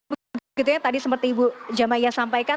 begitunya tadi seperti ibu jamaiyah sampaikan